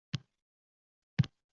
Yoki akademik